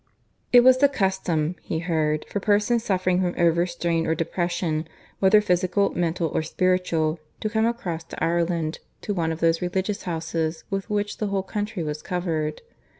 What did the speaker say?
It was the custom, he heard, for persons suffering from overstrain or depression, whether physical, mental, or spiritual, to come across to Ireland to one of those Religious Houses with which the whole country was covered.